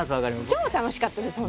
超楽しかったです